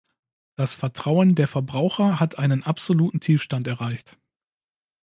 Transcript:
Das Vertrauen der Verbraucher hat einen absoluten Tiefstand erreicht.